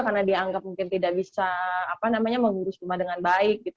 karena dianggap mungkin tidak bisa mengurus rumah dengan baik